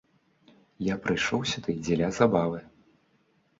Я прыйшоў сюды дзеля забавы.